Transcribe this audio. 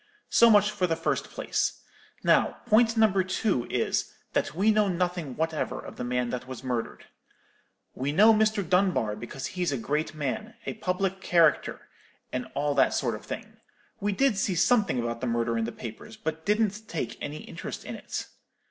So much for the first place. Now point number two is, that we know nothing whatever of the man that was murdered. We know Mr. Dunbar because he's a great man, a public character, and all that sort of thing. We did see something about the murder in the papers, but didn't take any interest in it.